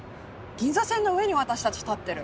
銀座線の上に私たち立ってる。